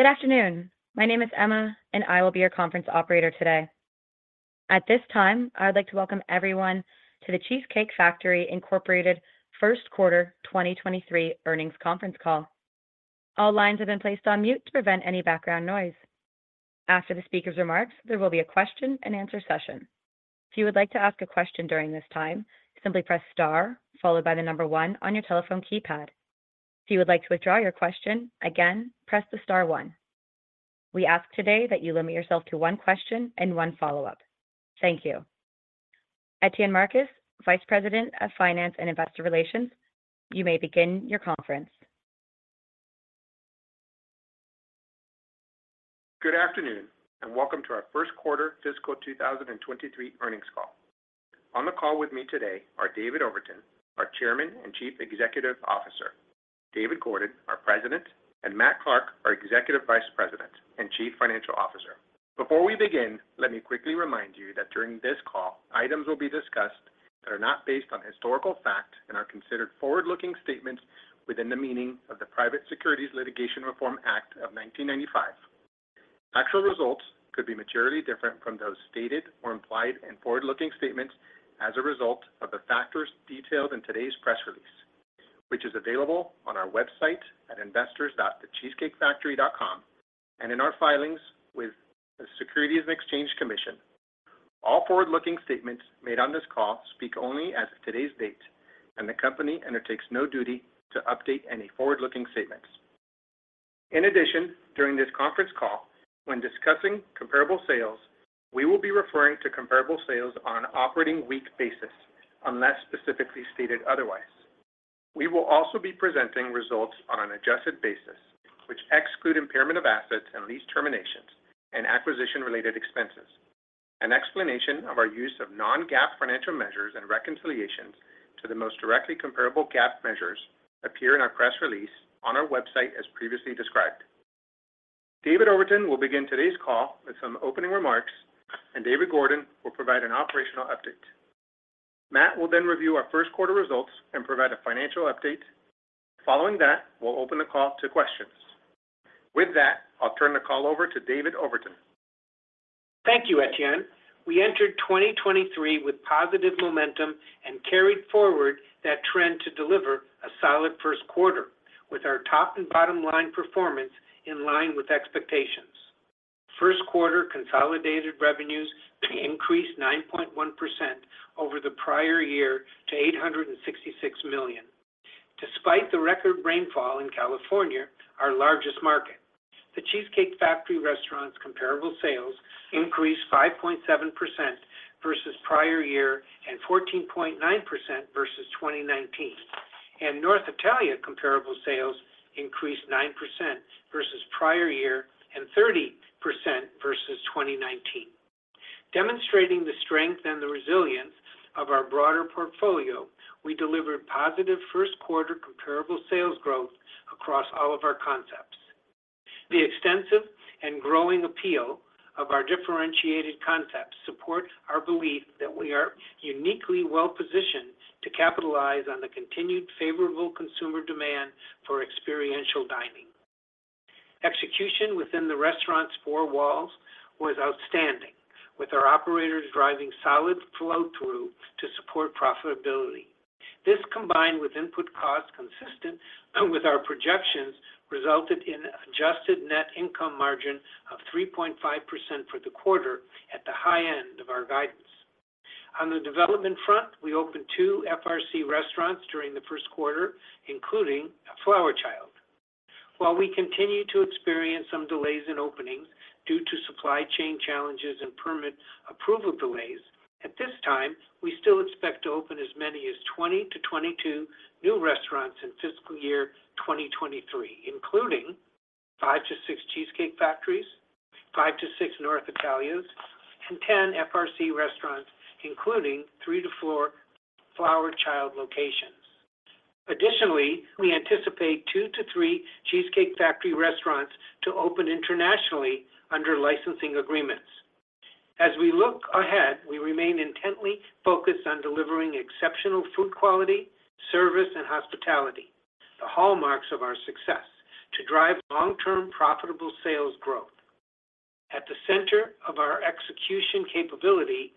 Good afternoon. My name is Emma, and I will be your conference operator today. At this time, I would like to welcome everyone to The Cheesecake Factory Incorporated Q1 2023 Earnings Conference Call. All lines have been placed on mute to prevent any background noise. After the speaker's remarks, there will be a question and answer session. If you would like to ask a question during this time, simply press star followed by the number one on your telephone keypad. If you would like to withdraw your question, again, press the star one. We ask today that you limit yourself to one question and one follow-up. Thank you. Etienne Marcus, Vice President of Finance and Investor Relations, you may begin your conference. Good afternoon, and welcome to our Q1 fiscal 2023 earnings call. On the call with me today are David Overton, our Chairman and Chief Executive Officer, David Gordon, our President, and Matthew Clark, our Executive Vice President and Chief Financial Officer. Before we begin, let me quickly remind you that during this call, items will be discussed that are not based on historical fact and are considered forward-looking statements within the meaning of the Private Securities Litigation Reform Act of 1995. Actual results could be materially different from those stated or implied in forward-looking statements as a result of the factors detailed in today's press release, which is available on our website at investors.thecheesecakefactory.com and in our filings with the Securities and Exchange Commission. All forward-looking statements made on this call speak only as of today's date, and the company undertakes no duty to update any forward-looking statements. In addition, during this conference call, when discussing comparable sales, we will be referring to comparable sales on an operating week basis unless specifically stated otherwise. We will also be presenting results on an adjusted basis, which exclude impairment of assets and lease terminations and acquisition related expenses. An explanation of our use of non-GAAP financial measures and reconciliations to the most directly comparable GAAP measures appear in our press release on our website as previously described. David Overton will begin today's call with some opening remarks, and David Gordon will provide an operational update. Matt will then review our Q1 results and provide a financial update. Following that, we'll open the call to questions. With that, I'll turn the call over to David Overton. Thank you, Etienne. We entered 2023 with positive momentum and carried forward that trend to deliver a solid Q1 with our top and bottom line performance in line with expectations. Q1 consolidated revenues increased 9.1% over the prior year to $866 million. Despite the record rainfall in California, our largest market, The Cheesecake Factory restaurants comparable sales increased 5.7% versus prior year and 14.9% versus 2019. North Italia comparable sales increased 9% versus prior year and 30% versus 2019. Demonstrating the strength and the resilience of our broader portfolio, we delivered positive Q1 comparable sales growth across all of our concepts. The extensive and growing appeal of our differentiated concepts support our belief that we are uniquely well-positioned to capitalize on the continued favorable consumer demand for experiential dining. Execution within the restaurant's 4 walls was outstanding. With our operators driving solid flow-through to support profitability. This, combined with input costs consistent with our projections, resulted in adjusted net income margin of 3.5% for Q1 at the high end of our guidance. On the development front, we opened 2 FRC restaurants during Q1, including a Flower Child. While we continue to experience some delays in openings due to supply chain challenges and permit approval delays, at this time, we still expect to open as many as 20-22 new restaurants in fiscal year 2023, including 5-6 Cheesecake Factories, 5-6 North Italias, and 10 FRC restaurants, including 3-4 Flower Child locations. Additionally, we anticipate 2-3 Cheesecake Factory restaurants to open internationally under licensing agreements. As we look ahead, we remain intently focused on delivering exceptional food quality, service, and hospitality, the hallmarks of our success, to drive long-term profitable sales growth. At the center of our execution capability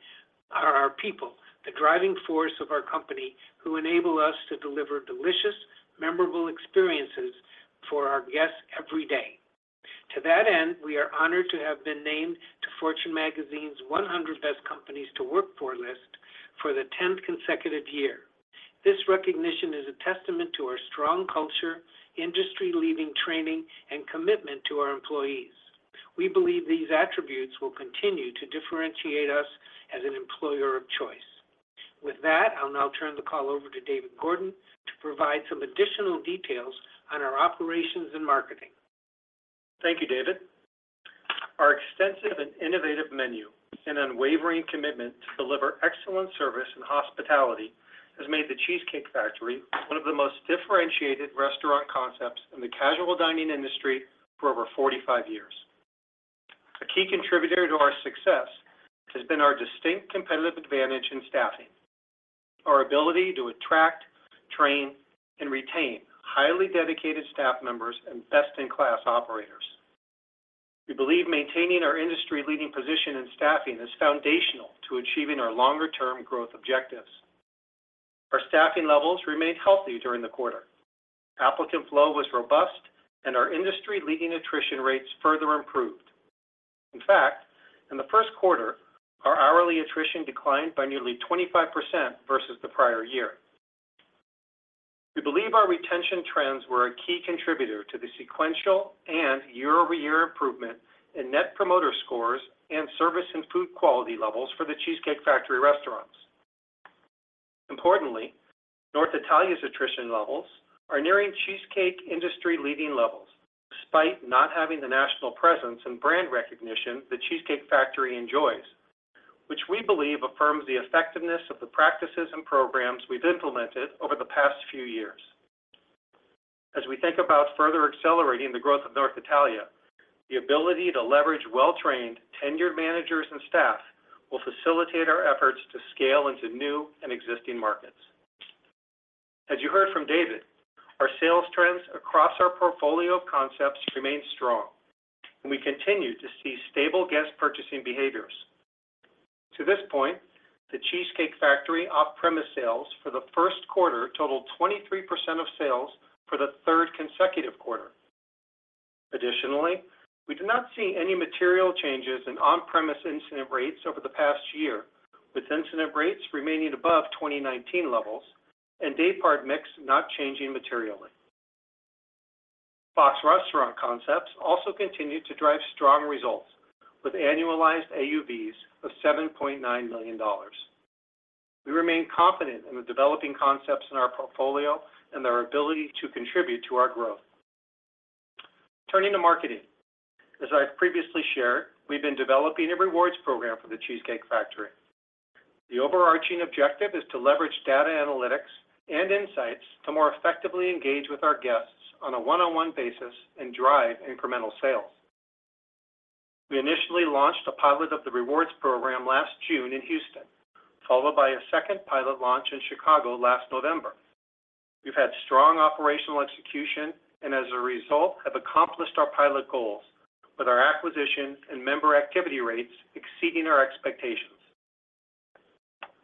are our people, the driving force of our company, who enable us to deliver delicious, memorable experiences for our guests every day. To that end, we are honored to have been named to Fortune Magazine's 100 Best Companies to Work For list for the 10th consecutive year. This recognition is a testament to our strong culture, industry leading training, and commitment to our employees. We believe these attributes will continue to differentiate us as an employer of choice. With that, I'll now turn the call over to David Gordon to provide some additional details on our operations and marketing. Thank you, David. Our extensive and innovative menu and unwavering commitment to deliver excellent service and hospitality has made The Cheesecake Factory one of the most differentiated restaurant concepts in the casual dining industry for over 45 years. A key contributor to our success has been our distinct competitive advantage in staffing, our ability to attract, train, and retain highly dedicated staff members and best-in-class operators. We believe maintaining our industry leading position in staffing is foundational to achieving our longer term growth objectives. Our staffing levels remained healthy during the quarter. Applicant flow was robust, and our industry leading attrition rates further improved. In fact, in Q1, our hourly attrition declined by nearly 25% versus the prior year. We believe our retention trends were a key contributor to the sequential and year-over-year improvement in Net Promoter Score and service and food quality levels for The Cheesecake Factory restaurants. North Italia's attrition levels are nearing Cheesecake industry leading levels despite not having the national presence and brand recognition that Cheesecake Factory enjoys, which we believe affirms the effectiveness of the practices and programs we've implemented over the past few years. We think about further accelerating the growth of North Italia, the ability to leverage well-trained, tenured managers and staff will facilitate our efforts to scale into new and existing markets. You heard from David, our sales trends across our portfolio of concepts remain strong, we continue to see stable guest purchasing behaviors. To this point, the Cheesecake Factory off-premise sales for Q1 totaled 23% of sales for the third consecutive quarter. We do not see any material changes in on-premise incident rates over the past year, with incidence rates remaining above 2019 levels and daypart mix not changing materially. Fox Restaurant Concepts also continued to drive strong results with annualized AUVs of $7.9 million. We remain confident in the developing concepts in our portfolio and their ability to contribute to our growth. Turning to marketing. As I've previously shared, we've been developing a rewards program for The Cheesecake Factory. The overarching objective is to leverage data analytics and insights to more effectively engage with our guests on a one-on-one basis and drive incremental sales. We initially launched a pilot of the rewards program last June in Houston, followed by a second pilot launch in Chicago last November. We've had strong operational execution and as a result, have accomplished our pilot goals with our acquisition and member activity rates exceeding our expectations.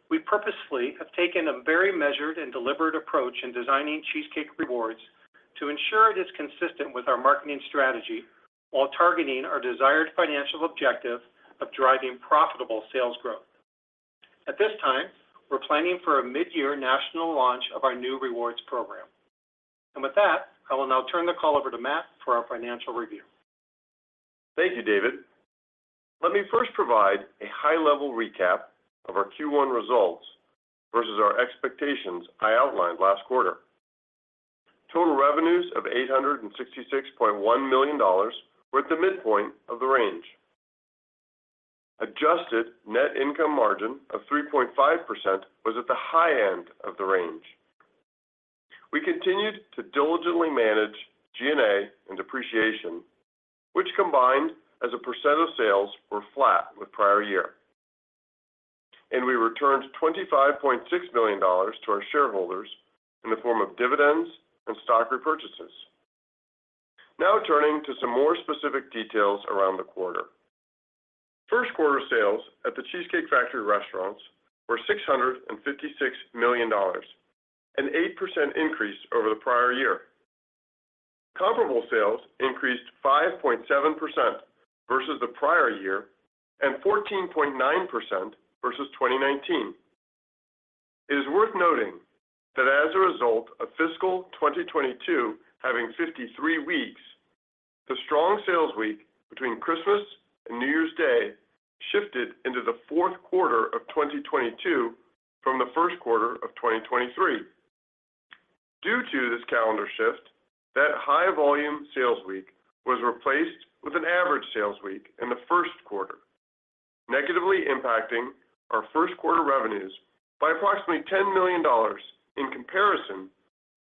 We purposefully have taken a very measured and deliberate approach in designing Cheesecake Rewards to ensure it is consistent with our marketing strategy while targeting our desired financial objective of driving profitable sales growth. At this time, we're planning for a mid-year national launch of our new rewards program. With that, I will now turn the call over to Matt for our financial review. Thank you, David. Let me first provide a high-level recap of our Q1 results versus our expectations I outlined last quarter. Total revenues of $866.1 million were at the midpoint of the range. Adjusted net income margin of 3.5% was at the high end of the range. We continued to diligently manage G&A and depreciation, which combined as a % of sales were flat with prior year. We returned $25.6 million to our shareholders in the form of dividends and stock repurchases. Now turning to some more specific details around the quarter. Q1 sales at The Cheesecake Factory Restaurants were $656 million, an 8% increase over the prior year. Comparable sales increased 5.7% versus the prior year and 14.9% versus 2019. It is worth noting that as a result of fiscal 2022 having 53 weeks, the strong sales week between Christmas and New Year's Day shifted into the fourth quarter of 2022 from Q1 of 2023. Due to this calendar shift, that high volume sales week was replaced with an average sales week in Q1, negatively impacting our Q1 revenues by approximately $10 million in comparison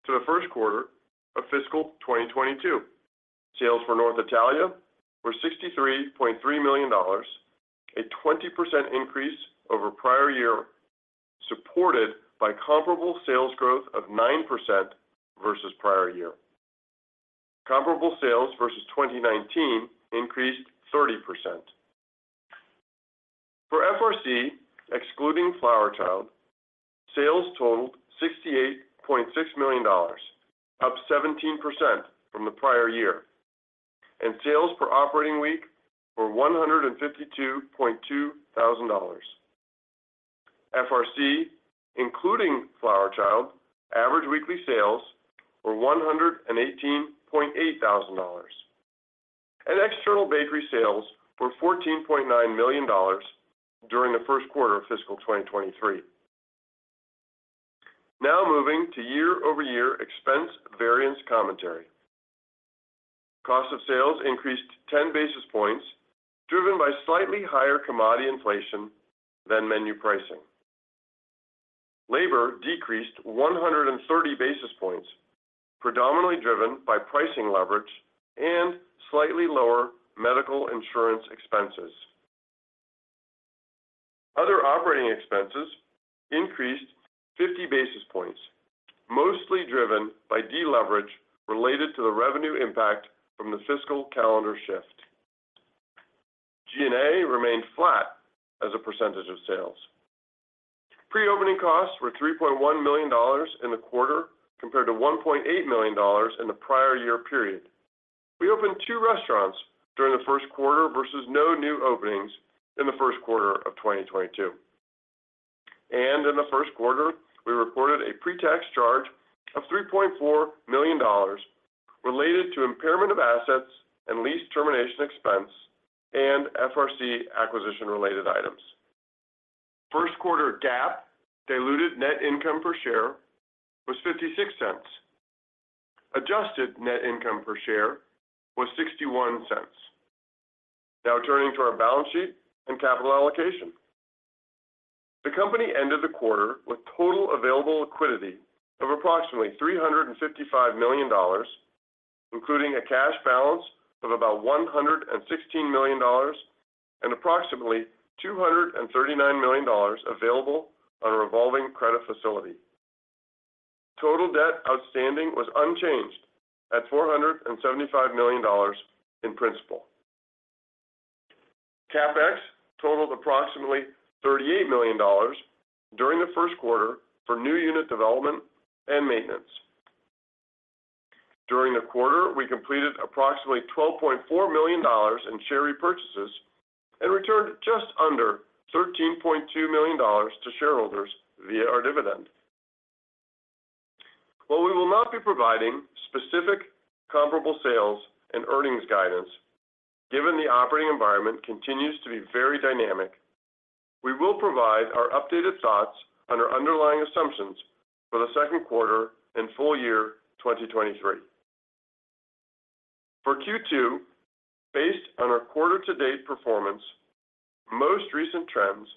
to Q1 of fiscal 2022. Sales for North Italia were $63.3 million, a 20% increase over prior year, supported by comparable sales growth of 9% versus prior year. Comparable sales versus 2019 increased 30%. For FRC, excluding Flower Child, sales totaled $68.6 million, up 17% from the prior year. Sales per operating week were $152.2 thousand. FRC, including Flower Child, average weekly sales were $118.8 thousand. External bakery sales were $14.9 million during Q1 of fiscal 2023. Now moving to year-over-year expense variance commentary. Cost of sales increased 10 basis points, driven by slightly higher commodity inflation than menu pricing. Labor decreased 130 basis points, predominantly driven by pricing leverage and slightly lower medical insurance expenses. Other operating expenses increased 50 basis points, mostly driven by deleverage related to the revenue impact from the fiscal calendar shift. G&A remained flat as a percentage of sales. Pre-opening costs were $3.1 million in the quarter compared to $1.8 million in the prior year period. We opened 2 restaurants during Q1 versus no new openings in Q1 of 2022. In Q1, we reported a pre-tax charge of $3.4 million related to impairment of assets and lease termination expense and FRC acquisition related items. Q1 GAAP diluted net income per share was $0.56. Adjusted net income per share was $0.61. Now turning to our balance sheet and capital allocation. The company ended the quarter with total available liquidity of approximately $355 million, including a cash balance of about $116 million and approximately $239 million available on a revolving credit facility. Total debt outstanding was unchanged at $475 million in principal. CapEx totaled approximately $38 million during Q1 for new unit development and maintenance. During the quarter, we completed approximately $12.4 million in share repurchases and returned just under $13.2 million to shareholders via our dividend. While we will not be providing specific comparable sales and earnings guidance, given the operating environment continues to be very dynamic, we will provide our updated thoughts on our underlying assumptions for Q2 and full year 2023. For Q2, based on our quarter to date performance, most recent trends,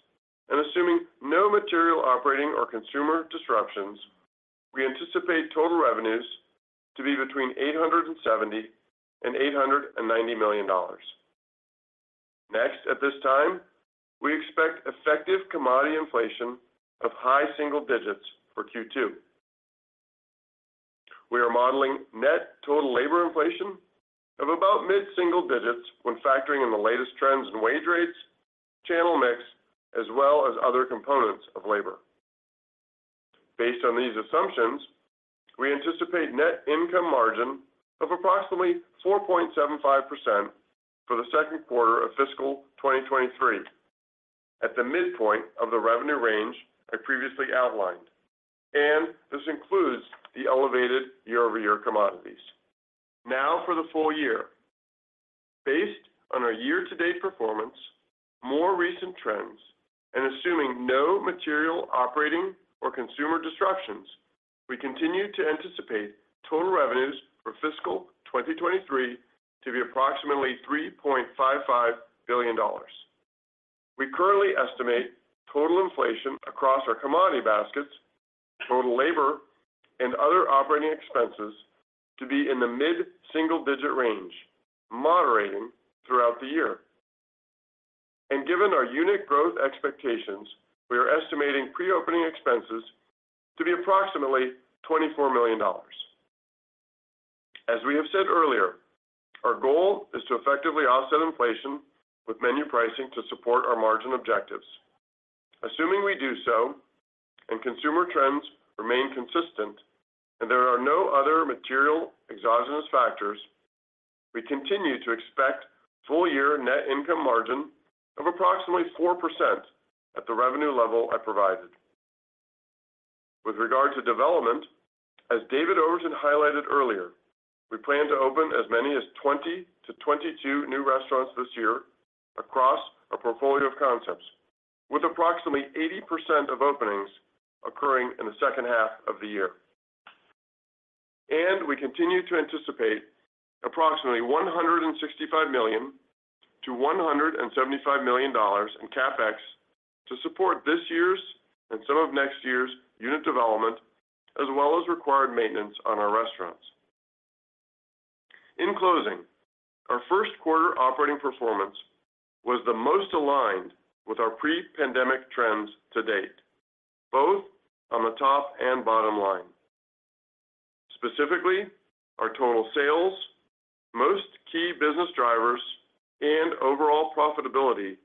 and assuming no material operating or consumer disruptions, we anticipate total revenues to be between $870 million and $890 million. At this time, we expect effective commodity inflation of high single digits for Q2. We are modeling net total labor inflation of about mid-single digits when factoring in the latest trends in wage rates, channel mix, as well as other components of labor. Based on these assumptions, we anticipate net income margin of approximately 4.75% for Q2 of fiscal 2023 at the midpoint of the revenue range I previously outlined. This includes the elevated year-over-year commodities. Now for the full year. Based on our year-to-date performance, more recent trends, and assuming no material operating or consumer disruptions, we continue to anticipate total revenues for fiscal 2023 to be approximately $3.5 billion. We currently estimate total inflation across our commodity baskets, total labor, and other operating expenses to be in the mid-single digit range, moderating throughout the year. Given our unit growth expectations, we are estimating pre-opening expenses to be approximately $24 million. As we have said earlier, our goal is to effectively offset inflation with menu pricing to support our margin objectives. Assuming we do so and consumer trends remain consistent and there are no other material exogenous factors, we continue to expect full year net income margin of approximately 4% at the revenue level I provided. With regard to development, as David Overton highlighted earlier, we plan to open as many as 20-22 new restaurants this year across our portfolio of concepts, with approximately 80% of openings occurring in H2 of the year. We continue to anticipate approximately $165 million-$175 million in CapEx to support this year's and some of next year's unit development, as well as required maintenance on our restaurants. In closing, our Q1 operating performance was the most aligned with our pre-pandemic trends to date, both on the top and bottom line. Specifically, our total sales, most key business drivers, and overall profitability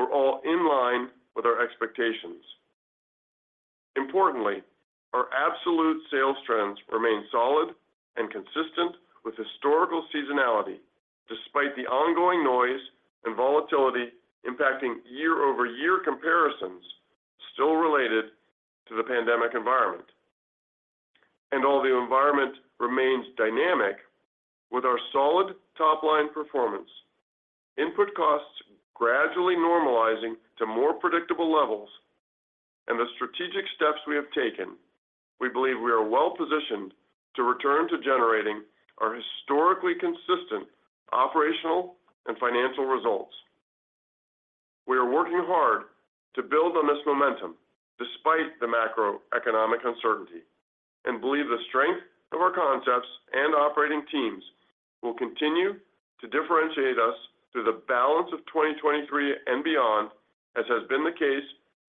were all in line with our expectations. Importantly, our absolute sales trends remain solid and consistent with historical seasonality, despite the ongoing noise and volatility impacting year-over-year comparisons still related to the pandemic environment. Although the environment remains dynamic with our solid top-line performance, input costs gradually normalizing to more predictable levels, and the strategic steps we have taken, we believe we are well positioned to return to generating our historically consistent operational and financial results. We are working hard to build on this momentum despite the macroeconomic uncertainty, and believe the strength of our concepts and operating teams will continue to differentiate us through the balance of 2023 and beyond, as has been the case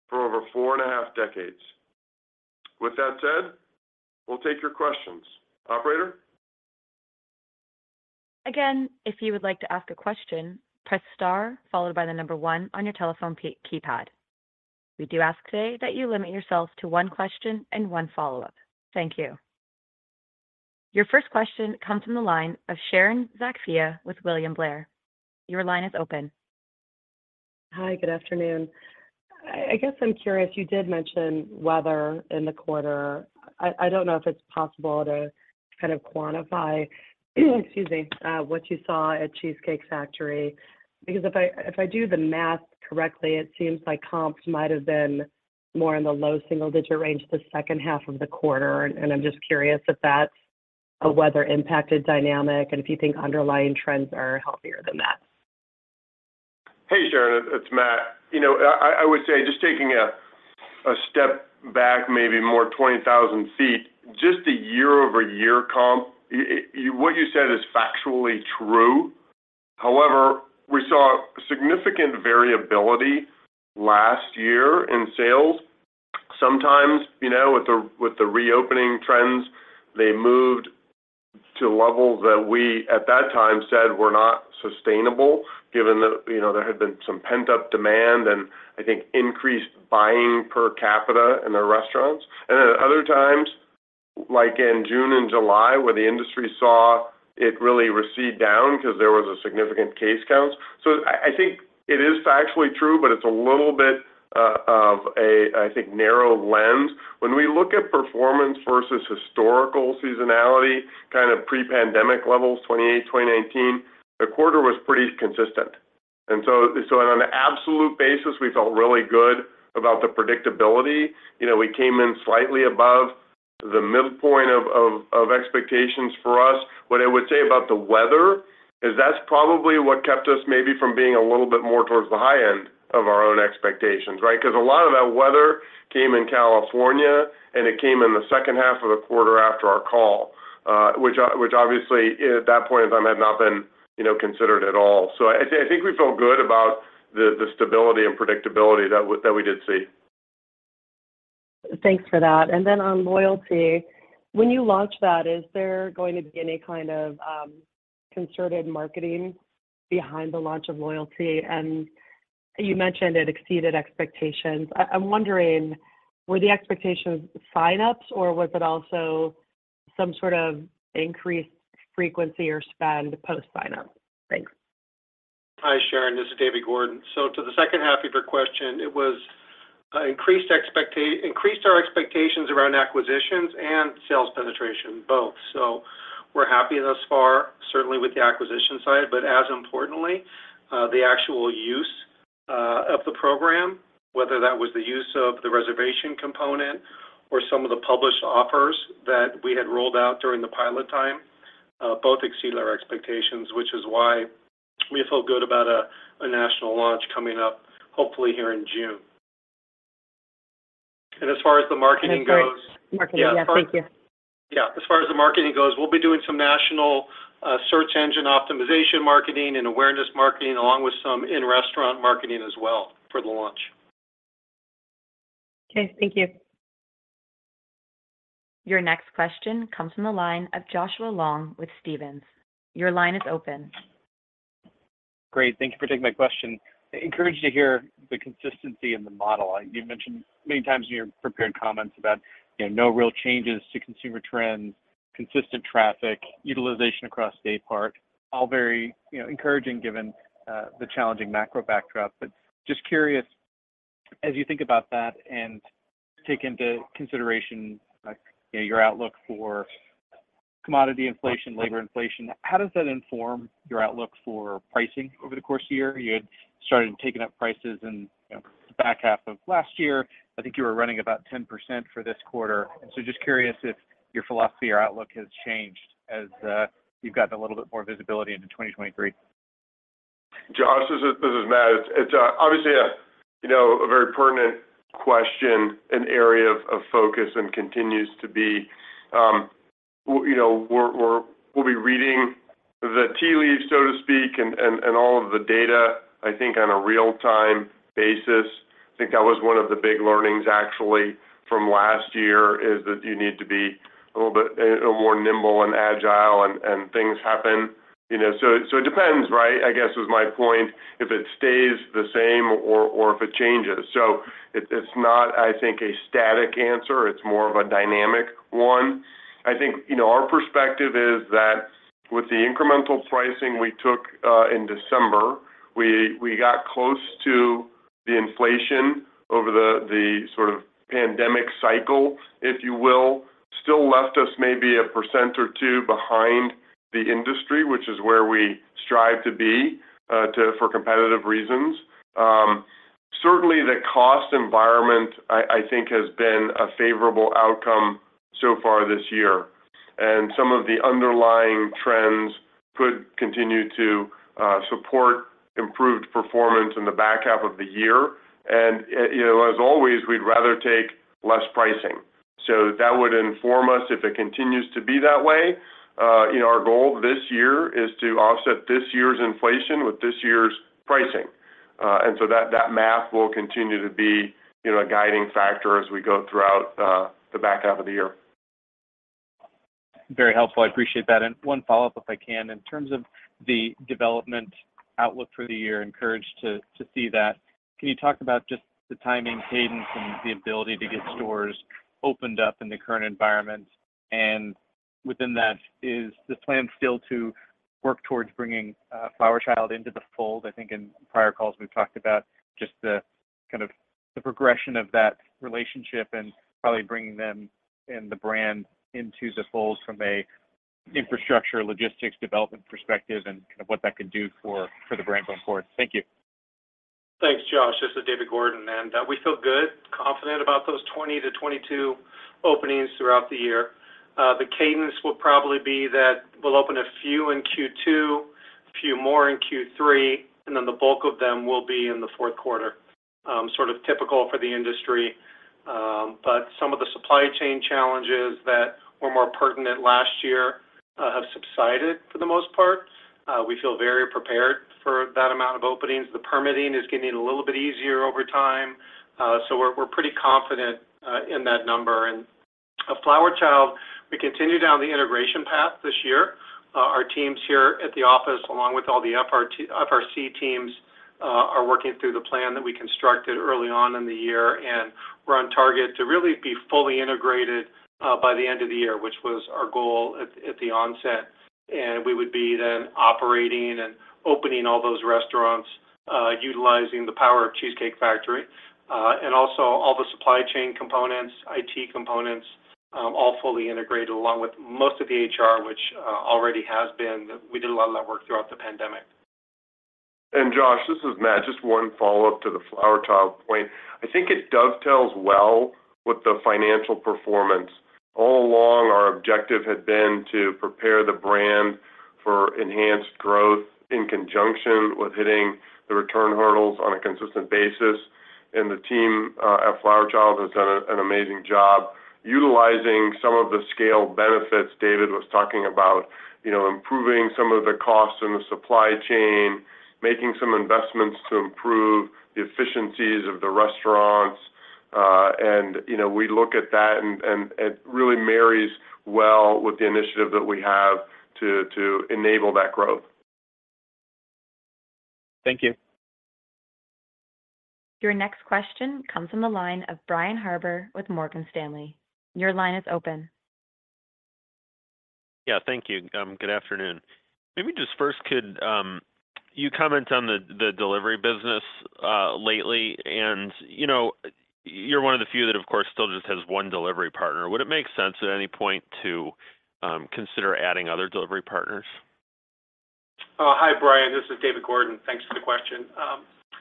for over four and a half decades. With that said, we'll take your questions. Operator? Again, if you would like to ask a question, press star followed by 1 on your telephone keypad. We do ask today that you limit yourself to one question and one follow-up. Thank you. Your first question comes from the line of Sharon Zackfia with William Blair. Your line is open. Hi, good afternoon. I guess I'm curious, you did mention weather in the quarter. I don't know if it's possible to kind of quantify, excuse me, what you saw at Cheesecake Factory, because if I do the math correctly, it seems like comps might have been more in the low single-digit range H2 of the quarter, and I'm just curious if that's a weather-impacted dynamic, and if you think underlying trends are healthier than that. Hey, Sharon, it's Matt. You know, I would say just taking a step back maybe more 20,000 feet, just a year-over-year comp, what you said is factually true. We saw significant variability last year in sales. Sometimes, you know, with the reopening trends, they moved to levels that we, at that time, said were not sustainable given that, you know, there had been some pent-up demand and I think increased buying per capita in the restaurants. At other times, like in June and July, where the industry saw it really recede down because there was a significant case count. I think it is factually true, but it's a little bit of a, I think, narrow lens. When we look at performance versus historical seasonality, kind of pre-pandemic levels, 2018, 2019, the quarter was pretty consistent. On an absolute basis, we felt really good about the predictability. You know, we came in slightly above the midpoint of expectations for us. What I would say about the weather is that's probably what kept us maybe from being a little bit more towards the high end of our own expectations, right? Because a lot of that weather came in California, and it came in H2 of the quarter after our call, which obviously at that point in time had not been, you know, considered at all. I think we feel good about the stability and predictability that we did see. Thanks for that. On loyalty, when you launch that, is there going to be any kind of concerted marketing behind the launch of loyalty? You mentioned it exceeded expectations. I'm wondering, were the expectations sign-ups or was it also some sort of increased frequency or spend post-sign-up? Thanks. Hi, Sharon, this is David Gordon. To the second half of your question, it was increased our expectations around acquisitions and sales penetration, both. We're happy thus far, certainly with the acquisition side. As importantly, the actual use of the program, whether that was the use of the reservation component or some of the published offers that we had rolled out during the pilot time, both exceeded our expectations, which is why we feel good about a national launch coming up, hopefully here in June. As far as the marketing goes. Sorry. Marketing, yeah. Thank you. Yeah, as far as the marketing goes, we'll be doing some national, search engine optimization marketing and awareness marketing, along with some in-restaurant marketing as well for the launch. Okay, thank you. Your next question comes from the line of Joshua Long with Stephens. Your line is open. Great. Thank you for taking my question. Encouraged to hear the consistency in the model. You mentioned many times in your prepared comments about, you know, no real changes to consumer trends, consistent traffic, utilization across day part, all very, you know, encouraging given the challenging macro backdrop. Just curious, as you think about that and take into consideration, like, you know, your outlook for commodity inflation, labor inflation, how does that inform your outlook for pricing over the course of the year? You had started taking up prices in, you know, the back half of last year. I think you were running about 10% for this quarter. Just curious if your philosophy or outlook has changed as you've gotten a little bit more visibility into 2023. Josh, this is Matt. It's obviously, you know, a very pertinent question and area of focus and continues to be. You know, we'll be reading the tea leaves, so to speak, and all of the data, I think on a real-time basis. I think that was one of the big learnings actually from last year is that you need to be a little bit more nimble and agile and things happen. You know, so it depends, right? I guess is my point, if it stays the same or if it changes. It's not, I think, a static answer, it's more of a dynamic one. I think, you know, our perspective is that with the incremental pricing we took in December, we got close to the inflation over the sort of pandemic cycle, if you will. Still left us maybe 1% or 2% behind the industry, which is where we strive to be for competitive reasons. Certainly the cost environment, I think, has been a favorable outcome so far this year, and some of the underlying trends could continue to support improved performance in the back half of the year. You know, as always, we'd rather take less pricing. That would inform us if it continues to be that way. You know, our goal this year is to offset this year's inflation with this year's pricing. That, that math will continue to be, you know, a guiding factor as we go throughout the back half of the year. Very helpful. I appreciate that. One follow-up, if I can. In terms of the development outlook for the year, encouraged to see that. Can you talk about just the timing cadence and the ability to get stores opened up in the current environment? Within that, is the plan still to work towards bringing Flower Child into the fold? I think in prior calls, we've talked about just the kind of the progression of that relationship and probably bringing them and the brand into the fold from a infrastructure logistics development perspective and kind of what that could do for the brand going forward. Thank you. Thanks, Josh. This is David Gordon. We feel good, confident about those 20-22 openings throughout the year. The cadence will probably be that we'll open a few in Q2, a few more in Q3, and then the bulk of them will be in the fourth quarter. Sort of typical for the industry. Some of the supply chain challenges that were more pertinent last year, have subsided for the most part. We feel very prepared for that amount of openings. The permitting is getting a little bit easier over time, so we're pretty confident, in that number. Flower Child, we continue down the integration path this year. Our teams here at the office, along with all the FRC teams, are working through the plan that we constructed early on in the year, and we're on target to really be fully integrated by the end of the year, which was our goal at the onset. We would be then operating and opening all those restaurants, utilizing the power of Cheesecake Factory. Also all the supply chain components, IT components, all fully integrated along with most of the HR, which already has been. We did a lot of that work throughout the pandemic. Josh, this is Matt. Just one follow-up to the Flower Child point. I think it dovetails well with the financial performance. All along, our objective had been to prepare the brand for enhanced growth in conjunction with hitting the return hurdles on a consistent basis. The team at Flower Child has done an amazing job utilizing some of the scale benefits David was talking about, you know, improving some of the costs in the supply chain, making some investments to improve the efficiencies of the restaurants. You know, we look at that and it really marries well with the initiative that we have to enable that growth. Thank you. Your next question comes from the line of Brian Harbour with Morgan Stanley. Your line is open. Yeah, thank you. Good afternoon. Maybe just first, could you comment on the delivery business lately? You know, you're one of the few that, of course, still just has one delivery partner. Would it make sense at any point to consider adding other delivery partners? Hi, Brian. This is David Gordon. Thanks for the question.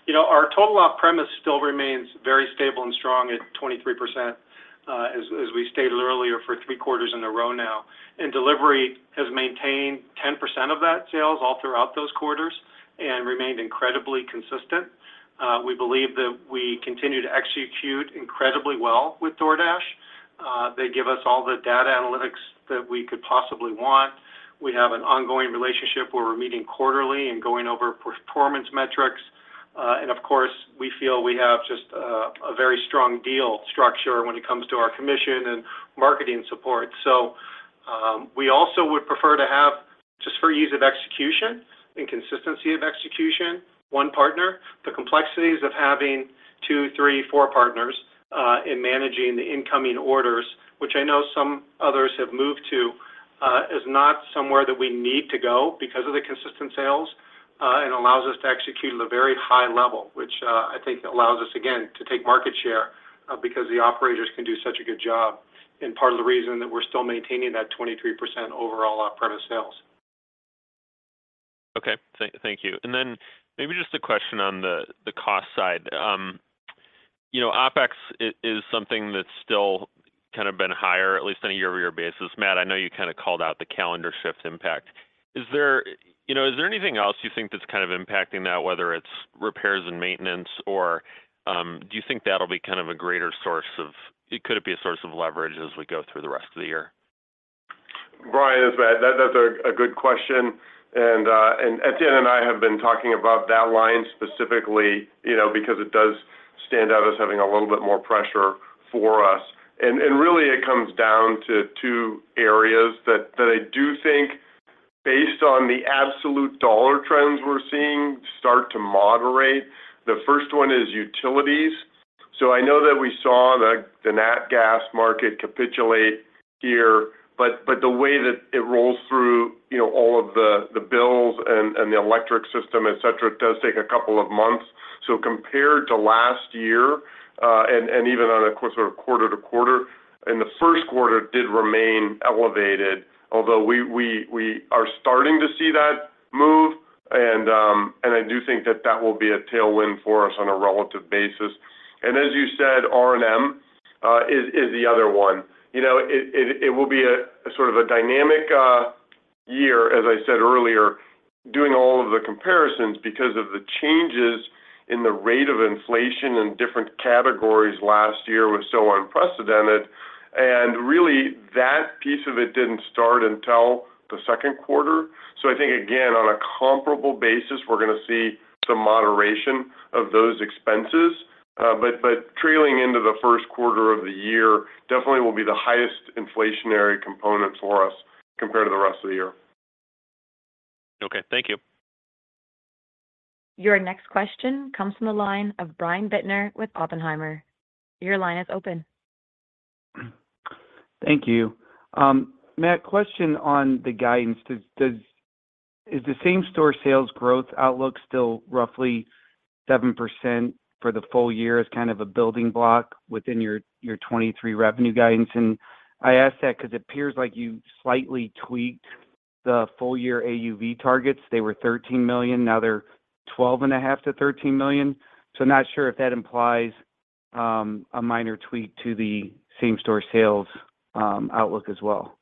You know, our total off-premise still remains very stable and strong at 23%, as we stated earlier, for three quarters in a row now. Delivery has maintained 10% of that sales all throughout those quarters and remained incredibly consistent. We believe that we continue to execute incredibly well with DoorDash. They give us all the data analytics that we could possibly want. We have an ongoing relationship where we're meeting quarterly and going over performance metrics. Of course, we feel we have just a very strong deal structure when it comes to our commission and marketing support. We also would prefer to have, just for ease of execution and consistency of execution, one partner. The complexities of having two, three, four partners, in managing the incoming orders, which I know some others have moved to, is not somewhere that we need to go because of the consistent sales, and allows us to execute at a very high level, which I think allows us, again, to take market share, because the operators can do such a good job and part of the reason that we're still maintaining that 23% overall off-premise sales. Okay. Thank you. Maybe just a question on the cost side. you know, OpEx is something that's still kind of been higher, at least on a year-over-year basis. Matt, I know you kinda called out the calendar shift impact. Is there, you know, is there anything else you think that's kind of impacting that, whether it's repairs and maintenance, or, do you think that'll be kind of a greater source of leverage as we go through the rest of the year? Brian, this is Matt. That's a good question. Etienne and I have been talking about that line specifically, you know, because it does stand out as having a little bit more pressure for us. Really it comes down to two areas that I do think based on the absolute dollar trends we're seeing start to moderate. The first one is utilities. I know that we saw the nat gas market capitulate here, but the way that it rolls through, you know, all of the bills and the electric system, et cetera, does take a couple of months. Compared to last year, and even on a sort of quarter-to-quarter in Q1 did remain elevated, although we are starting to see that move and I do think that that will be a tailwind for us on a relative basis. As you said, R&M, is the other one. You know, it will be a sort of a dynamic year, as I said earlier, doing all of the comparisons because of the changes in the rate of inflation in different categories last year was so unprecedented. Really, that piece of it didn't start until Q2. I think again, on a comparable basis, we're gonna see some moderation of those expenses. Trailing into Q1 of the year definitely will be the highest inflationary component for us compared to the rest of the year. Okay, thank you. Your next question comes from the line of Brian Bittner with Oppenheimer. Your line is open. Thank you. Matt, question on the guidance. Is the same-store sales growth outlook still roughly 7% for the full year as kind of a building block within your 2023 revenue guidance? I ask that because it appears like you slightly tweaked the full year AUV targets. They were $13 million, now they're $12 and a half million to $13 million. Not sure if that implies a minor tweak to the same-store sales outlook as well.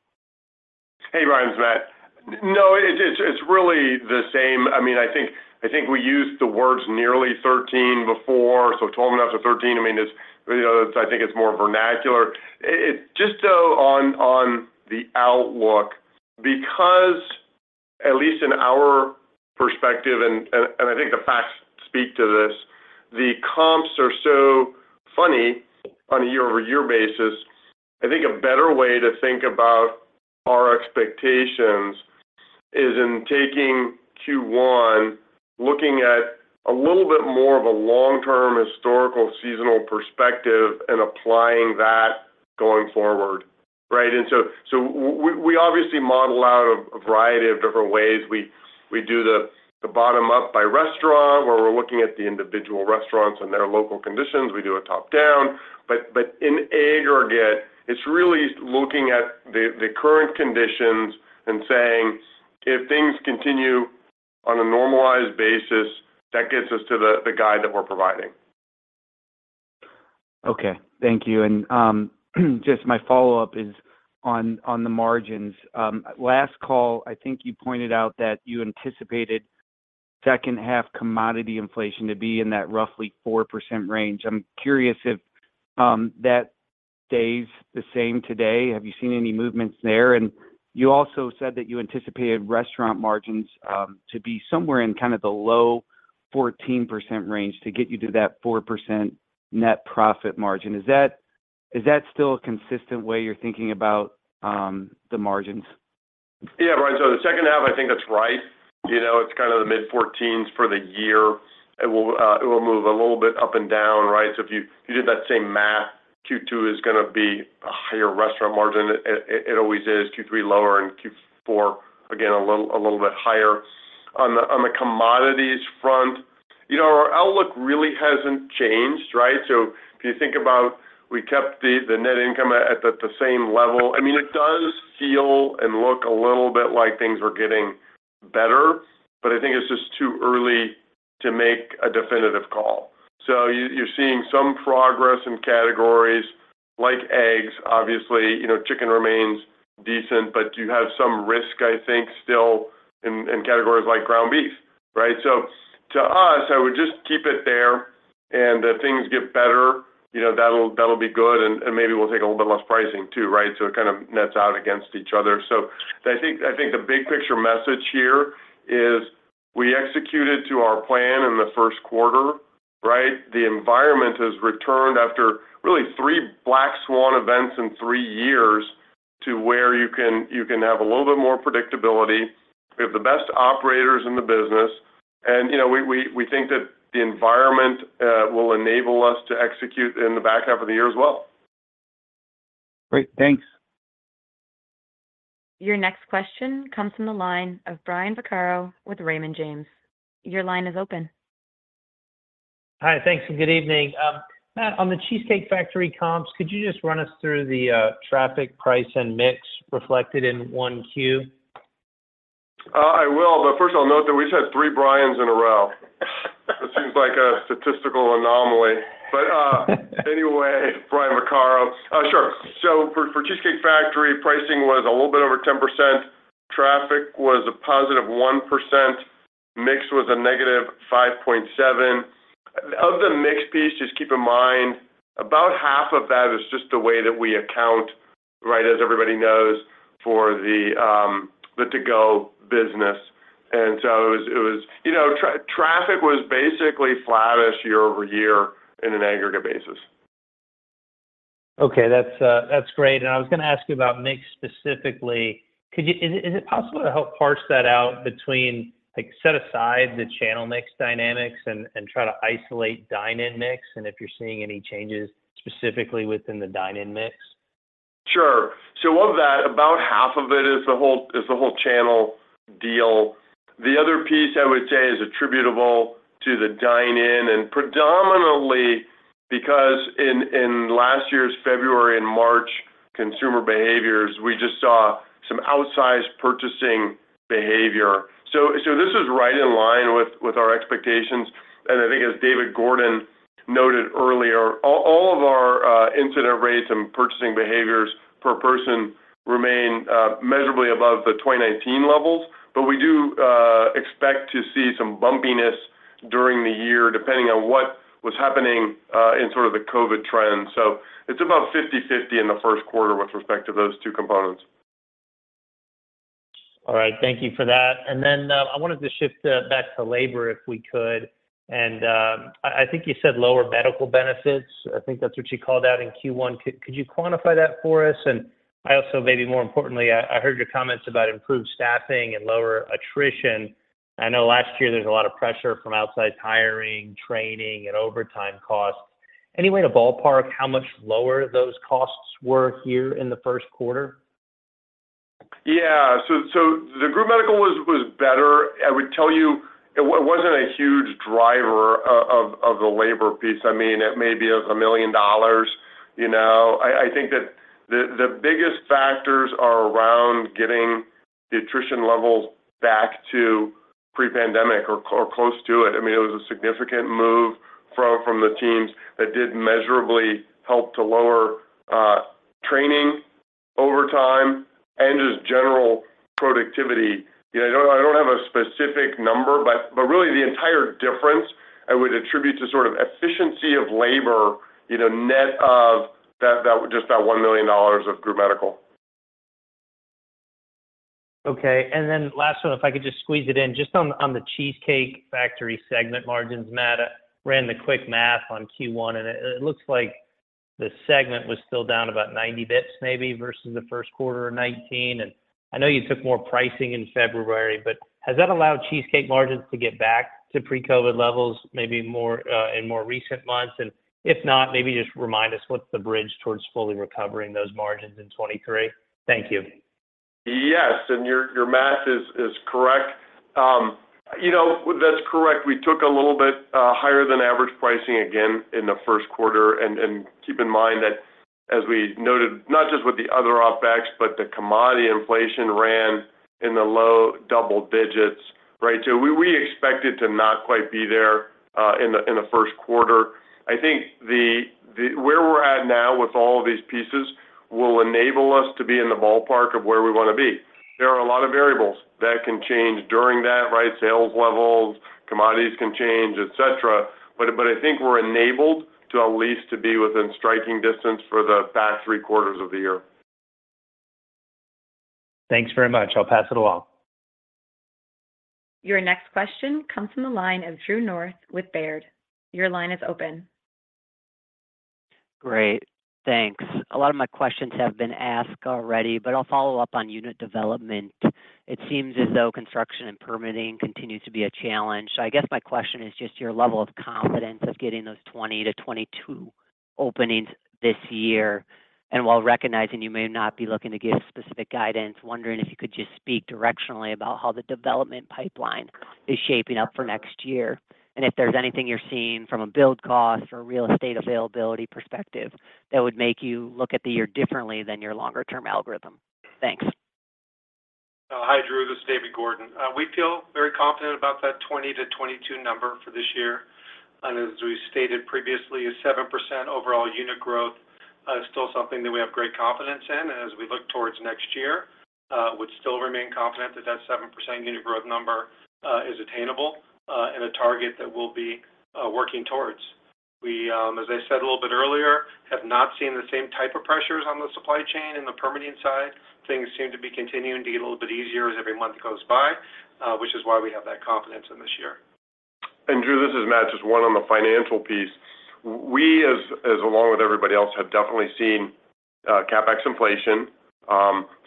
Hey, Brian, it's Matt. No, it's really the same. I mean, I think, I think we used the words nearly 13 before, so 12 and a half to 13, I mean, is, you know, I think it's more vernacular. It's just so on the outlook because at least in our perspective, and I think the facts speak to this, the comps are so funny on a year-over-year basis. I think a better way to think about our expectations is in taking Q1, looking at a little bit more of a long-term historical seasonal perspective and applying that going forward. Right? So we obviously model out a variety of different ways. We do the bottom up by restaurant, where we're looking at the individual restaurants and their local conditions. We do a top-down. In aggregate, it's really looking at the current conditions and saying, if things continue on a normalized basis, that gets us to the guide that we're providing. Okay. Thank you. Just my follow-up is on the margins. Last call, I think you pointed out that you anticipated second half commodity inflation to be in that roughly 4% range. I'm curious if that stays the same today. Have you seen any movements there? You also said that you anticipated restaurant margins to be somewhere in kind of the low 14% range to get you to that 4% net profit margin. Is that still a consistent way you're thinking about the margins? Brian. The second half, I think that's right. You know, it's kinda the mid-14s for the year. It will move a little bit up and down, right? If you did that same math, Q2 is gonna be a higher restaurant margin. It always is. Q3 lower and Q4, again, a little bit higher. On the commodities front, you know, our outlook really hasn't changed, right? If you think about we kept the net income at the same level. I mean, it does feel and look a little bit like things are getting better, but I think it's just too early to make a definitive call. You're seeing some progress in categories like eggs, obviously, you know, chicken remains decent, but you have some risk, I think, still in categories like ground beef, right? To us, I would just keep it there and if things get better, you know, that'll be good and maybe we'll take a little bit less pricing too, right? It kind of nets out against each other. I think the big picture message here is we executed to our plan in Q1, right? The environment has returned after really three black swan events in three years to where you can have a little bit more predictability. We have the best operators in the business. You know, we think that the environment, will enable us to execute in the back half of the year as well. Great. Thanks. Your next question comes from the line of Brian Vaccaro with Raymond James. Your line is open. Hi, thanks. Good evening. Matt, on The Cheesecake Factory comps, could you just run us through the traffic price and mix reflected in 1Q? I will, first I'll note that we just had three Brians in a row. It seems like a statistical anomaly. Anyway, Brian Vaccaro. Sure. For The Cheesecake Factory, pricing was a little bit over 10%. Traffic was a positive 1%. Mix was a negative 5.7%. Of the mix piece, just keep in mind, about half of that is just the way that we account, right, as everybody knows, for the to-go business. It was, you know, traffic was basically flattish year-over-year in an aggregate basis. That's, that's great. I was gonna ask you about mix specifically. Is it, is it possible to help parse that out between, like, set aside the channel mix dynamics and try to isolate dine-in mix, and if you're seeing any changes specifically within the dine-in mix? Sure. Of that, about half of it is the whole channel deal. The other piece I would say is attributable to the dine-in, predominantly because in last year's February and March consumer behaviors, we just saw some outsized purchasing behavior. This is right in line with our expectations. I think as David Gordon noted earlier, all of our incident rates and purchasing behaviors per person remain measurably above the 2019 levels. We do expect to see some bumpiness during the year, depending on what was happening in sort of the COVID trend. It's about 50/50 in Q1 with respect to those two components. All right. Thank you for that. I wanted to shift back to labor if we could. I think you said lower medical benefits. I think that's what you called out in Q1. Could you quantify that for us? I also maybe more importantly, I heard your comments about improved staffing and lower attrition. I know last year there was a lot of pressure from outside hiring, training, and overtime costs. Any way to ballpark how much lower those costs were here in Q1? Yeah. The group medical was better. I would tell you it wasn't a huge driver of the labor piece. I mean, it may be of $1 million, you know. I think that the biggest factors are around getting the attrition levels back to pre-pandemic or close to it. I mean, it was a significant move from the teams that did measurably help to lower training overtime and just general productivity. You know, I don't have a specific number, but really the entire difference I would attribute to sort of efficiency of labor, you know, net of that just that $1 million of group medical. Okay. Last one, if I could just squeeze it in. Just on The Cheesecake Factory segment margins, Matt. I ran the quick math on Q1, it looks like the segment was still down about 90 basis points maybe versus Q1 of 2019. I know you took more pricing in February, but has that allowed cheesecake margins to get back to pre-COVID levels, maybe more in more recent months? If not, maybe just remind us what's the bridge towards fully recovering those margins in 2023. Thank you. Yes. Your math is correct. You know, that's correct. We took a little bit higher than average pricing again in Q1. Keep in mind that as we noted, not just with the other OpEx, but the commodity inflation ran in the low double digits, right? We expect it to not quite be there in Q1. I think the where we're at now with all of these pieces will enable us to be in the ballpark of where we want to be. There are a lot of variables that can change during that, right? Sales levels, commodities can change, et cetera. I think we're enabled to at least to be within striking distance for the back 3 quarters of the year. Thanks very much. I'll pass it along. Your next question comes from the line of Drew North with Baird. Your line is open. Great. Thanks. A lot of my questions have been asked already, but I'll follow up on unit development. It seems as though construction and permitting continues to be a challenge. I guess my question is just your level of confidence of getting those 20-22 openings this year. While recognizing you may not be looking to give specific guidance, wondering if you could just speak directionally about how the development pipeline is shaping up for next year. If there's anything you're seeing from a build cost or real estate availability perspective that would make you look at the year differently than your longer term algorithm. Thanks. Hi, Drew. This is David Gordon. We feel very confident about that 20-22 number for this year. As we stated previously, 7% overall unit growth is still something that we have great confidence in. As we look towards next year, would still remain confident that that 7% unit growth number is attainable and a target that we'll be working towards. We, as I said a little bit earlier, have not seen the same type of pressures on the supply chain and the permitting side. Things seem to be continuing to get a little bit easier as every month goes by, which is why we have that confidence in this year. Drew, this is Matt. Just one on the financial piece. We as along with everybody else, have definitely seen CapEx inflation.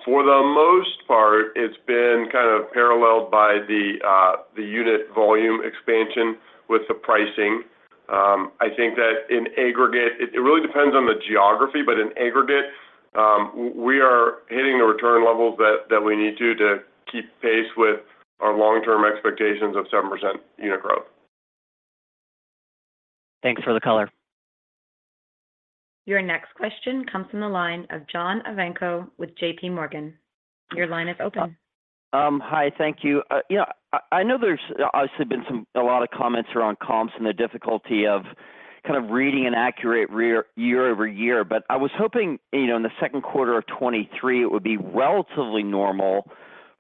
For the most part, it's been kind of paralleled by the unit volume expansion with the pricing. I think that in aggregate, it really depends on the geography, but in aggregate, we are hitting the return levels that we need to keep pace with our long-term expectations of 7% unit growth. Thanks for the color. Your next question comes from the line of John Ivankoe with JPMorgan. Your line is open. Hi. Thank you. You know, I know there's obviously been a lot of comments around comps and the difficulty of kind of reading an accurate year-over-year, I was hoping, you know, in Q2 of 2023, it would be relatively normal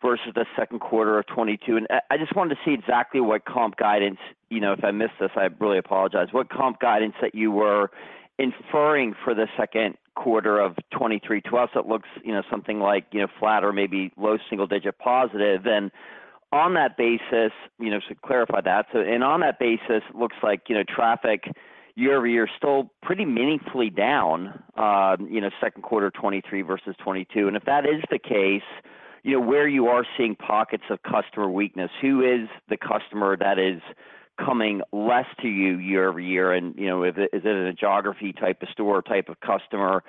versus Q2 of 2022. I just wanted to see exactly what comp guidance, you know, if I missed this, I really apologize. What comp guidance that you were inferring for Q2 of 2023. To us, it looks, you know, something like, you know, flat or maybe low single digit positive. On that basis, you know, to clarify that. On that basis, it looks like, you know, traffic year-over-year is still pretty meaningfully down, you know, Q2 2023 versus 2022. If that is the case, you know, where you are seeing pockets of customer weakness, who is the customer that is coming less to you year-over-year and, you know, is it, is it a geography type of store, type of customer,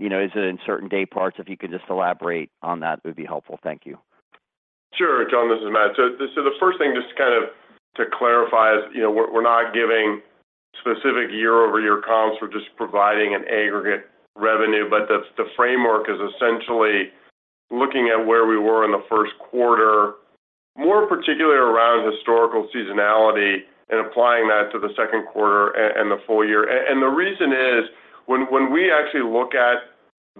you know, is it in certain day parts? If you could just elaborate on that'd be helpful. Thank you. Sure, John, this is Matt. The first thing just to kind of, to clarify is, you know, we're not giving specific year-over-year comps, we're just providing an aggregate revenue. The framework is essentially looking at where we were in Q1, more particularly around historical seasonality and applying that to Q2 and the full year. The reason is when we actually look at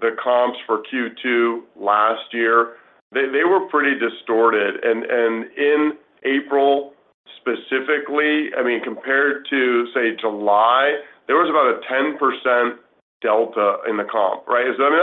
the comps for Q2 last year, they were pretty distorted. In April specifically, I mean compared to, say, July, there was about a 10% delta in the comp, right? I mean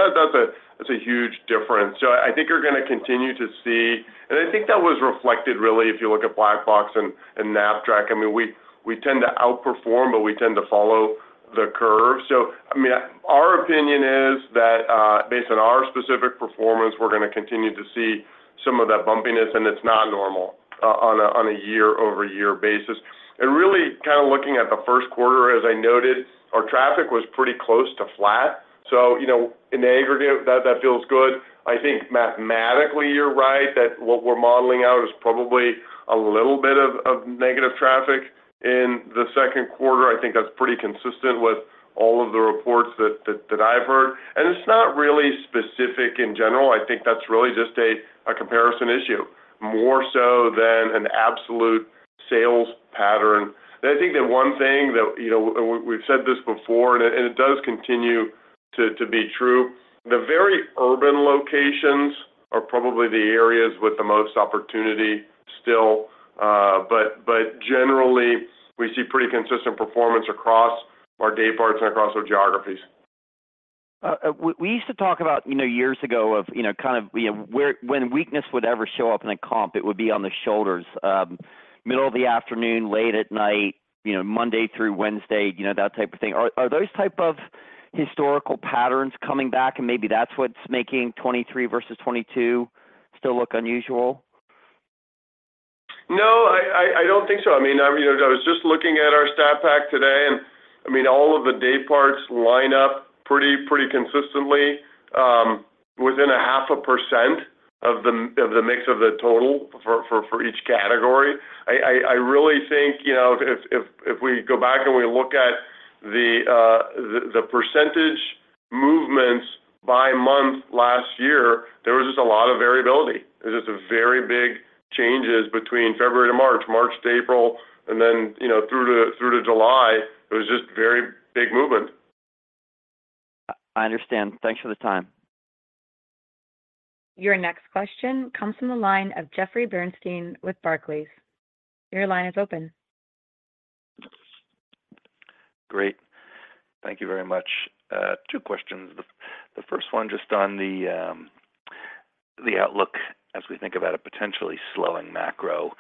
that's a huge difference. I think you're gonna continue to see... I think that was reflected really if you look at Black Box and Knapp-Track, I mean, we tend to outperform, but we tend to follow the curve. I mean, our opinion is that, based on our specific performance, we're gonna continue to see some of that bumpiness, and it's not normal on a year-over-year basis. Really kind of looking at Q1, as I noted, our traffic was pretty close to flat. You know, in the aggregate, that feels good. I think mathematically, you're right, that what we're modeling out is probably a little bit of negative traffic in Q2. I think that's pretty consistent with all of the reports that I've heard. It's not really specific in general. I think that's really just a comparison issue more so than an absolute sales pattern. I think the one thing that, you know, we've said this before and it does continue to be true, the very urban locations are probably the areas with the most opportunity still. Generally, we see pretty consistent performance across our day parts and across our geographies. We used to talk about, you know, years ago of, you know, kind of, you know, when weakness would ever show up in a comp, it would be on the shoulders, middle of the afternoon, late at night, you know, Monday through Wednesday, you know, that type of thing. Are those type of historical patterns coming back and maybe that's what's making 2023 versus 2022 still look unusual? No, I don't think so. I mean, I, you know, I was just looking at our stat pack today and, I mean, all of the day parts line up pretty consistently, within 0.5% of the mix of the total for each category. I really think, you know, if we go back and we look at the percentage movements by month last year, there was just a lot of variability. It was just very big changes between February to March to April, and then, you know, through to July, it was just very big movement. I understand. Thanks for the time. Your next question comes from the line of Jeffrey Bernstein with Barclays. Your line is open. Great. Thank you very much. Two questions. The first one just on the outlook as we think about a potentially slowing macro.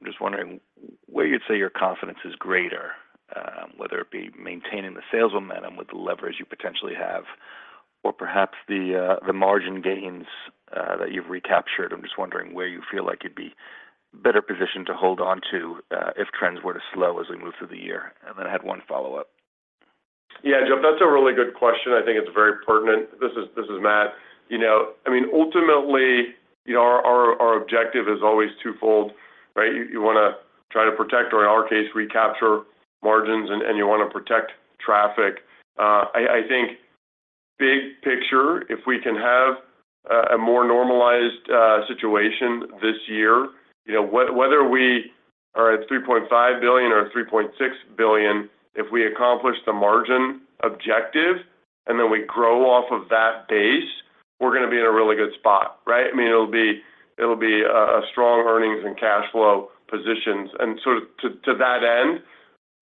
I'm just wondering where you'd say your confidence is greater, whether it be maintaining the sales momentum with the leverage you potentially have, or perhaps the margin gains that you've recaptured. I'm just wondering where you feel like you'd be better positioned to hold on to, if trends were to slow as we move through the year. I had one follow-up. Yeah, Jeff, that's a really good question. I think it's very pertinent. This is Matt. You know, I mean, ultimately, you know, our objective is always twofold, right? You wanna try to protect or in our case, recapture margins and you wanna protect traffic. I think big picture, if we can have a more normalized situation this year, you know, whether we are at $3.5 billion or $3.6 billion, if we accomplish the margin objective and then we grow off of that base, we're gonna be in a really good spot, right? I mean, it'll be a strong earnings and cash flow positions. To that end,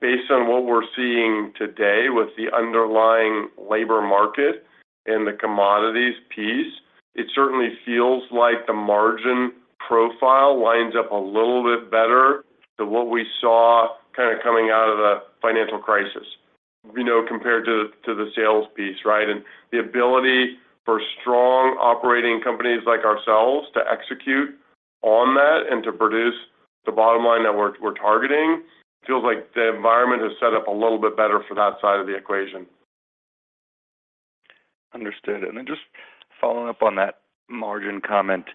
based on what we're seeing today with the underlying labor market and the commodities piece, it certainly feels like the margin profile winds up a little bit better than what we saw kind of coming out of the financial crisis, you know, compared to the sales piece, right? The ability for strong operating companies like ourselves to execute on that and to produce the bottom line that we're targeting, feels like the environment is set up a little bit better for that side of the equation. Understood. Just following up on that margin comment,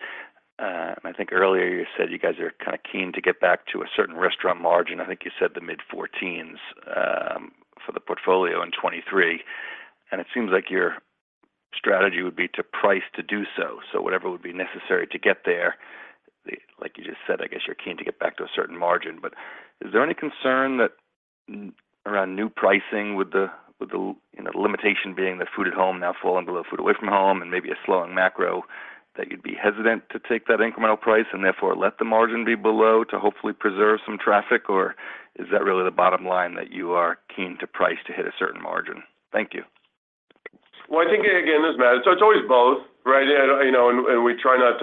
and I think earlier you said you guys are kind of keen to get back to a certain restaurant margin. I think you said the mid-14s, for the portfolio in 2023. It seems like your strategy would be to price to do so. Whatever would be necessary to get there, like you just said, I guess you're keen to get back to a certain margin. Is there any concern that around new pricing with the, you know, limitation being that food at home now falling below food away from home and maybe a slowing macro, that you'd be hesitant to take that incremental price and therefore let the margin be below to hopefully preserve some traffic? Is that really the bottom line that you are keen to price to hit a certain margin? Thank you. Well, I think again, this is Matt. It's always both, right? You know, and we try not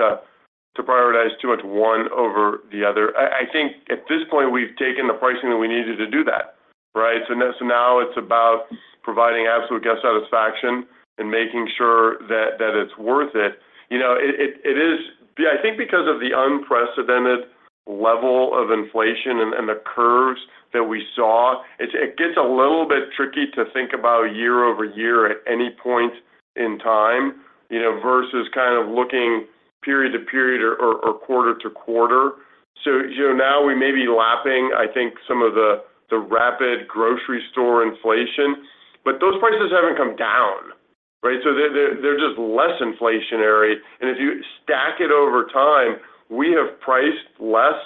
to prioritize too much one over the other. I think at this point, we've taken the pricing that we needed to do that. Right. Now it's about providing absolute guest satisfaction and making sure that it's worth it. You know, Yeah, I think because of the unprecedented level of inflation and the curves that we saw, it gets a little bit tricky to think about year-over-year at any point in time, you know, versus kind of looking period to period or quarter-to-quarter. You know, now we may be lapping, I think, some of the rapid grocery store inflation, but those prices haven't come down, right? They're just less inflationary. If you stack it over time, we have priced less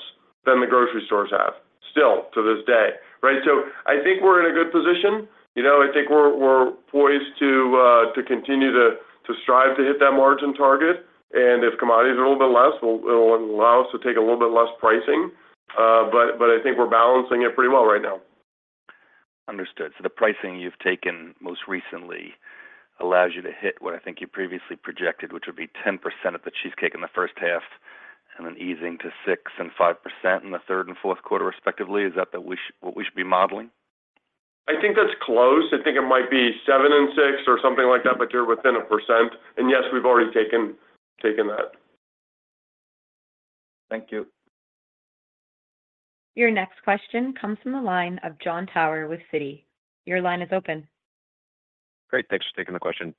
than the grocery stores have still to this day, right? I think we're in a good position. You know, I think we're poised to continue to strive to hit that margin target. If commodity is a little bit less, it will allow us to take a little bit less pricing. But I think we're balancing it pretty well right now. Understood. The pricing you've taken most recently allows you to hit what I think you previously projected, which would be 10% of the cheesecake in the first half, and then easing to 6% and 5% in Q3 and Q4, respectively. Is that what we should be modeling? I think that's close. I think it might be 7% and 6% or something like that, but you're within 1%. Yes, we've already taken that. Thank you. Your next question comes from the line of Jon Tower with Citi. Your line is open. Great. Thanks for taking the question.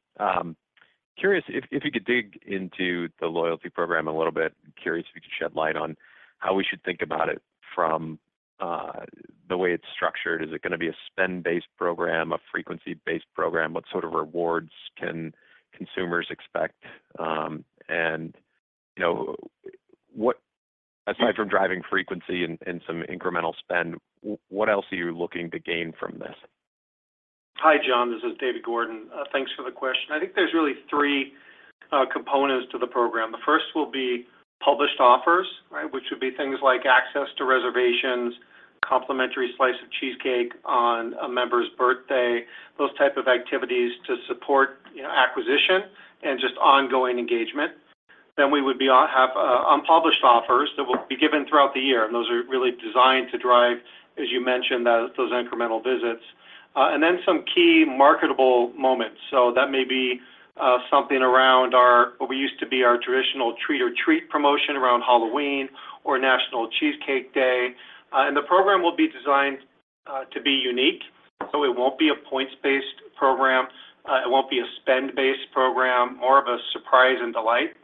Curious if you could dig into the loyalty program a little bit. Curious if you could shed light on how we should think about it from the way it's structured. Is it gonna be a spend-based program, a frequency-based program? What sort of rewards can consumers expect? You know, aside from driving frequency and some incremental spend, what else are you looking to gain from this? Hi, John. This is David Gordon. Thanks for the question. I think there's really 3 components to the program. The first will be published offers, right? Which would be things like access to reservations, complimentary slice of cheesecake on a member's birthday, those type of activities to support, you know, acquisition and just ongoing engagement. We would be have unpublished offers that will be given throughout the year. Those are really designed to drive, as you mentioned, those incremental visits, and then some key marketable moments. That may be something around our what we used to be our traditional Trick or Treat promotion around Halloween or National Cheesecake Day. The program will be designed to be unique. It won't be a points-based program, it won't be a spend-based program, more of a surprise and delight.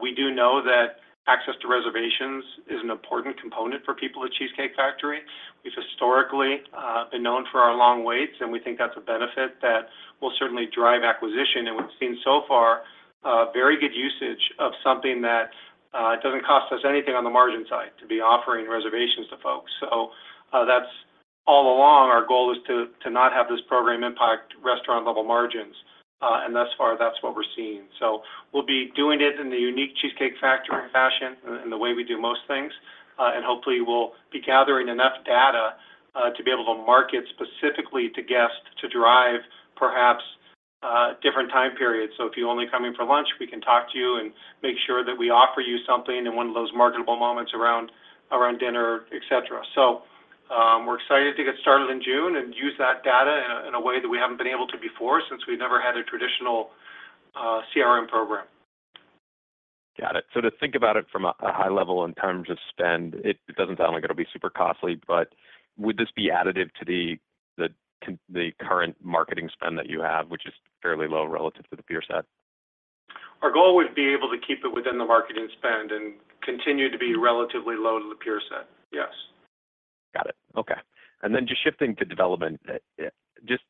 We do know that access to reservations is an important component for people at The Cheesecake Factory. We've historically been known for our long waits, and we think that's a benefit that will certainly drive acquisition. We've seen so far a very good usage of something that it doesn't cost us anything on the margin side to be offering reservations to folks. That's all along our goal is to not have this program impact restaurant-level margins. Thus far, that's what we're seeing. We'll be doing it in the unique Cheesecake Factory fashion and the way we do most things. Hopefully, we'll be gathering enough data to be able to market specifically to guests to drive, perhaps, different time periods. If you only come in for lunch, we can talk to you and make sure that we offer you something in one of those marketable moments around dinner, et cetera. We're excited to get started in June and use that data in a, in a way that we haven't been able to before, since we never had a traditional CRM program. Got it. To think about it from a high level in terms of spend, it doesn't sound like it'll be super costly, but would this be additive to the current marketing spend that you have, which is fairly low relative to the peer set? Our goal would be able to keep it within the marketing spend and continue to be relatively low to the peer set. Yes. Got it. Okay. Just shifting to development. Just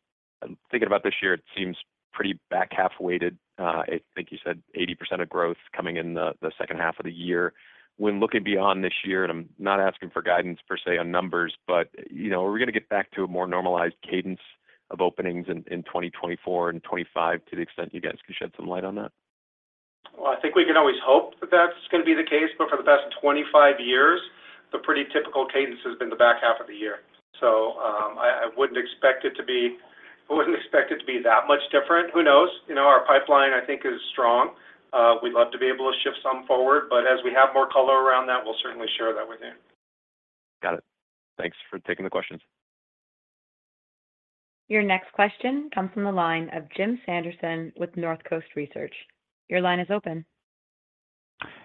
thinking about this year, it seems pretty back half weighted. I think you said 80% of growth coming in the second half of the year. When looking beyond this year, and I'm not asking for guidance per se on numbers, but, you know, are we gonna get back to a more normalized cadence of openings in 2024 and 2025 to the extent you guys can shed some light on that? I think we can always hope that that's gonna be the case, but for the past 25 years, the pretty typical cadence has been the back half of the year. I wouldn't expect it to be that much different. Who knows? You know, our pipeline, I think, is strong. We'd love to be able to shift some forward, but as we have more color around that, we'll certainly share that with you. Got it. Thanks for taking the questions. Your next question comes from the line of Jim Sanderson with Northcoast Research. Your line is open.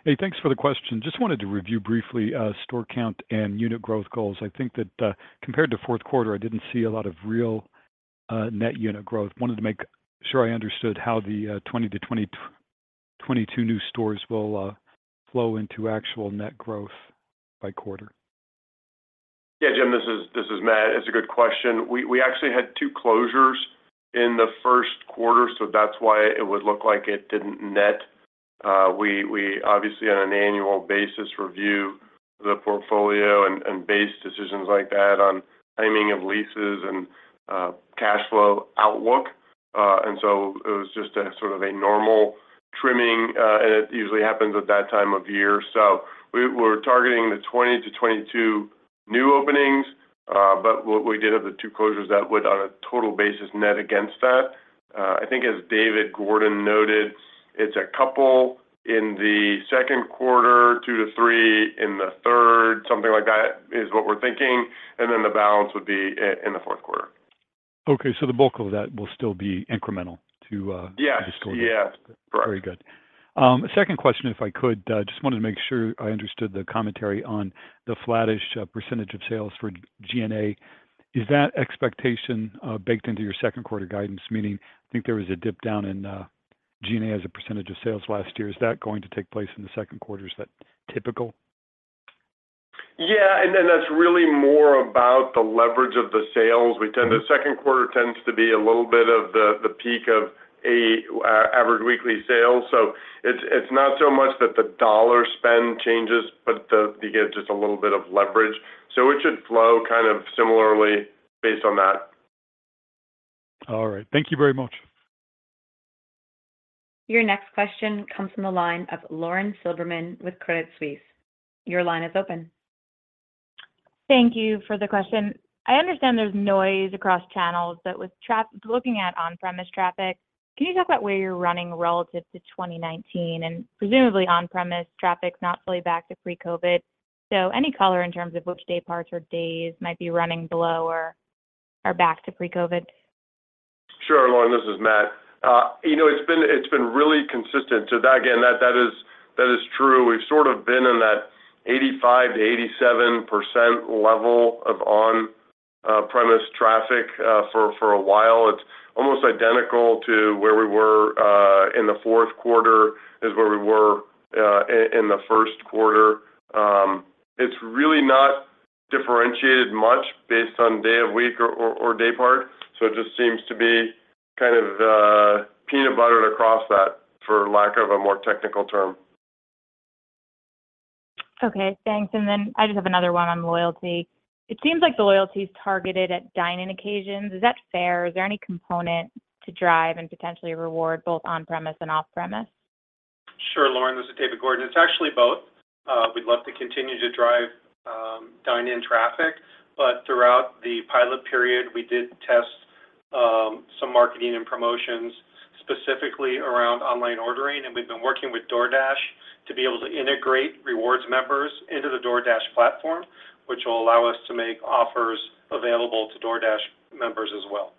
Hey, thanks for the question. Just wanted to review briefly, store count and unit growth goals. I think that, compared to fourth quarter, I didn't see a lot of real net unit growth. Wanted to make sure I understood how the 20-22 new stores will flow into actual net growth by quarter. Jim, this is Matt. It's a good question. We actually had 2 closures in Q1, that's why it would look like it didn't net. We obviously on an annual basis review the portfolio and base decisions like that on timing of leases and cash flow outlook. It was just a sort of a normal trimming, it usually happens at that time of year. We're targeting the 20-22 new openings, but we did have the two closures that would on a total basis net against that. I think as David Gordon noted, it's a couple in Q2, 2-3 in the third, something like that is what we're thinking, and then the balance would be in the fourth quarter. Okay. The bulk of that will still be incremental to. Yeah... to disclosure. Yeah. Correct. Very good. second question if I could. just wanted to make sure I understood the commentary on the flattish % of sales for G&A. Is that expectation baked into your Q2 guidance? Meaning I think there was a dip down in G&A as a % of sales last year. Is that going to take place in Q2? Is that typical? Yeah. That's really more about the leverage of the sales. The Q2 tends to be a little bit of the peak of a average weekly sales. It's not so much that the dollar spend changes, but you get just a little bit of leverage. It should flow kind of similarly based on that. All right. Thank you very much. Your next question comes from the line of Lauren Silberman with Credit Suisse. Your line is open. Thank you for the question. I understand there's noise across channels, but with looking at on-premise traffic, can you talk about where you're running relative to 2019 and presumably on-premise traffic's not fully back to pre-COVID? Any color in terms of which day parts or days might be running below or are back to pre-COVID? Sure, Lauren. This is Matt. You know, it's been really consistent. That again, that is true. We've sort of been in that 85%-87% level of on premise traffic for a while. It's almost identical to where we were in the fourth quarter is where we were in Q1. It's really not differentiated much based on day of week or day part. It just seems to be kind of peanut buttered across that for lack of a more technical term. Okay, thanks. I just have another one on loyalty. It seems like the loyalty is targeted at dine-in occasions. Is that fair? Is there any component to drive and potentially reward both on-premise and off-premise? Sure, Lauren. This is David Gordon. It's actually both. We'd love to continue to drive dine-in traffic. Throughout the pilot period, we did test some marketing and promotions specifically around online ordering, and we've been working with DoorDash to be able to integrate rewards members into the DoorDash platform, which will allow us to make offers available to DoorDash members as well.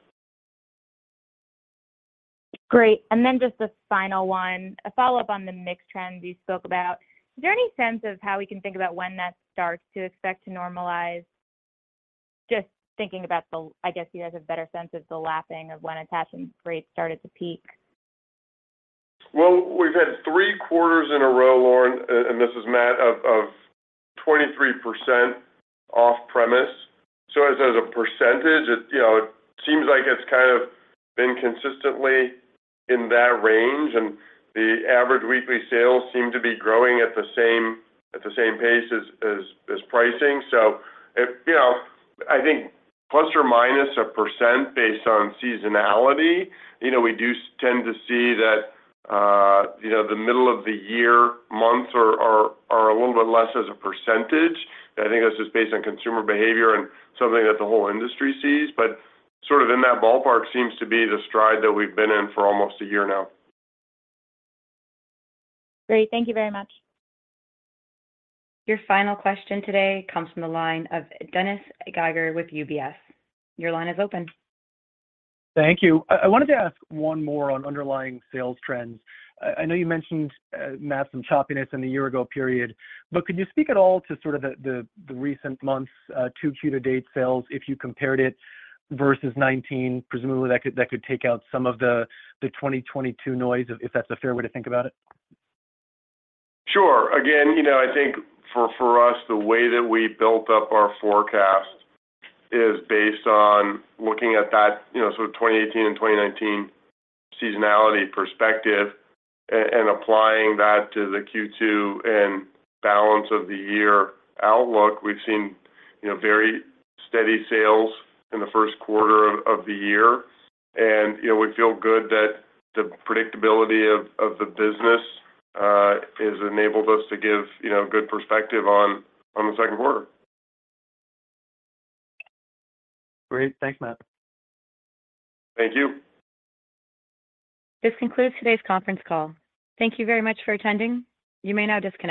Great. Just the final one, a follow-up on the mix trends you spoke about. Is there any sense of how we can think about when that starts to expect to normalize? I guess you guys have a better sense of the lapping of when attachment rates started to peak. Well, we've had three quarters in a row, Lauren, and this is Matt, of 23% off-premise. As a percentage, it, you know, it seems like it's kind of been consistently in that range, and the average weekly sales seem to be growing at the same pace as pricing. If, you know, I think plus or minus 1% based on seasonality, you know, we do tend to see that, you know, the middle of the year months are a little bit less as a percentage. I think that's just based on consumer behavior and something that the whole industry sees. Sort of in that ballpark seems to be the stride that we've been in for almost 1 year now. Great. Thank you very much. Your final question today comes from the line of Dennis Geiger with UBS. Your line is open. Thank you. I wanted to ask one more on underlying sales trends. I know you mentioned, Matt, some choppiness in the year ago period. Could you speak at all to sort of the recent months, to Q to date sales if you compared it versus 2019, presumably that could take out some of the 2022 noise if that's a fair way to think about it? Sure. Again, you know, I think for us, the way that we built up our forecast is based on looking at that, you know, sort of 2018 and 2019 seasonality perspective and applying that to the Q2 and balance of the year outlook. We've seen, you know, very steady sales in Q1 of the year. We feel good that the predictability of the business has enabled us to give, you know, good perspective on Q2. Great. Thanks, Matt. Thank you. This concludes today's conference call. Thank you very much for attending. You may now disconnect.